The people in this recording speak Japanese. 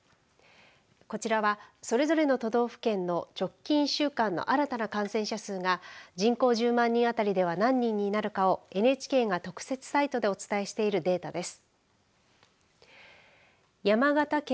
こちらは、それぞれの都道府県の直近１週間の新たな感染者数が人口１０万人当たりでは何人になるかをＮＨＫが特設サイトでお伝えしているデータです。